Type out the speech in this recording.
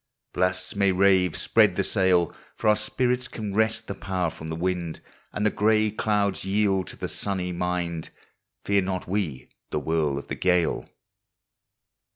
Blasts may rave, — spread the sail, For our spirits can wrest the power from the wind, And the gray clouds yield to the sunny mind, Fear not we the wiiirl of the gale.